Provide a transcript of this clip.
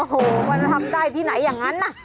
โอ้โหมันทำได้ที่ไหนอย่างนั้นนะ